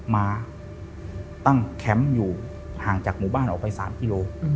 มาตั้งแคมป์อยู่ห่างจากหมู่บ้านออกไป๓กิโล